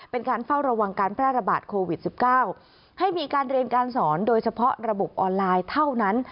เป็นการเฝ้าระวังการแพร่ระบาดโควิด๑๙ให้มีการเรียนการสอนโดยเฉพาะระบบออนไลน์เท่านั้น